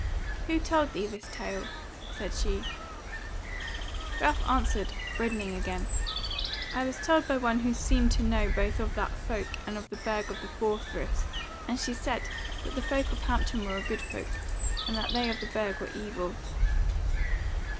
"Who told thee this tale?" said she. Ralph answered, reddening again, "I was told by one who seemed to know both of that folk, and of the Burg of the Four Friths, and she said that the folk of Hampton were a good folk, and that they of the Burg were evil."